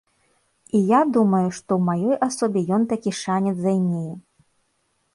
І я думаю, што ў маёй асобе ён такі шанец займее.